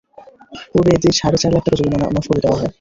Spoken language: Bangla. পরে এদের সাড়ে চার লাখ টাকা জরিমানা মাফ করে দেওয়া হয়।